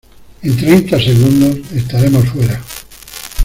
en treinta segundos estaremos fuera.